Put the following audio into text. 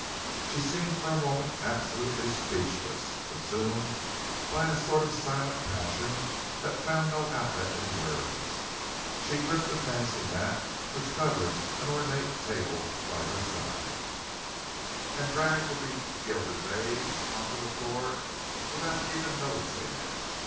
She seemed for a moment absolutely speechless, consumed by a sort of silent passion that found no outlet in words. She gripped a fancy mat which covered an ornate table by her side, and dragged a begilded vase on to the floor without even noticing it.